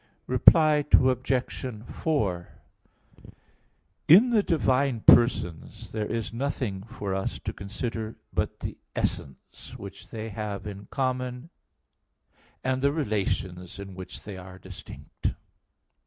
Reply Obj. 4: In the divine persons there is nothing for us to consider but the essence which they have in common and the relations in which they are distinct.